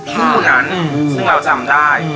ผู้นั้นซึ่งเราจำได้